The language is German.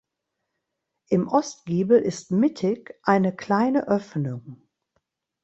Im Ostgiebel ist mittig eine kleine Öffnung.